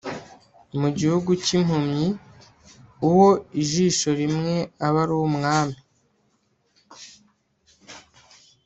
mu gihugu cy'impumyi uwo ijisho rimwe aba ari umwami